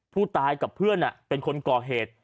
ผู้ตายกับเพื่อนเป็นคนก่อเหตุ